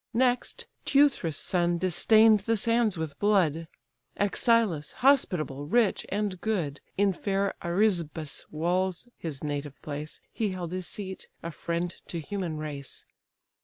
Next Teuthras' son distain'd the sands with blood, Axylus, hospitable, rich, and good: In fair Arisbe's walls (his native place) He held his seat! a friend to human race.